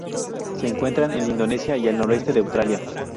Se encuentran en Indonesia y al noroeste de Australia.